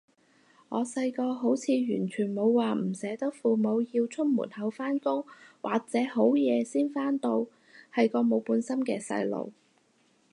我細個好似完全冇話唔捨得父母要出門口返工或者好夜先返到，係個冇本心嘅細路